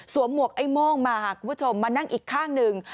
หมวกไอ้โม่งมาค่ะคุณผู้ชมมานั่งอีกข้างหนึ่ง